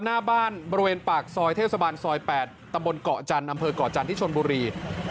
หน้าบ้านบริเวณปากซอยเทศบาลซอย๘ตำบลเกาะจันทร์อำเภอกเกาะจันทร์ที่ชนบุรี